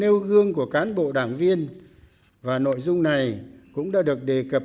nêu gương của cán bộ đảng viên và nội dung này cũng đã được đề cập